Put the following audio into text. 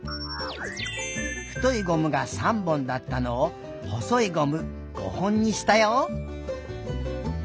太いゴムが３本だったのを細いゴム５本にしたよ。